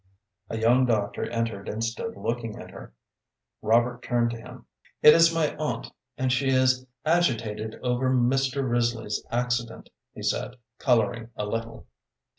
A young doctor entered and stood looking at her. Robert turned to him. "It is my aunt, and she is agitated over Mr. Risley's accident," he said, coloring a little.